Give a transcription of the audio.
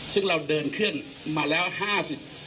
ซึ่งเราเดินเครื่องมาแล้วห้าสิบ